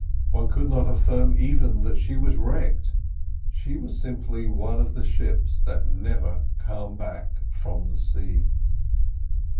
One could not affirm even that she was wrecked; she was simply one of the ships that never come back from the sea.